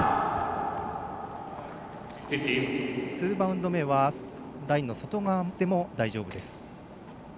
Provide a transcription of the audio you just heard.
ツーバウンド目はラインの外側でも大丈夫です。